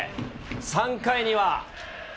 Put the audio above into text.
３回には。